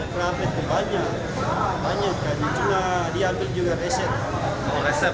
perhapit banyak banyak dan dia ambil juga resep